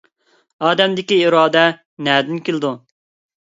ئادەمدىكى ئىرادە نەدىن كېلىدۇ؟